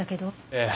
ええ。